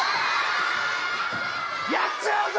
やっちまうぞ！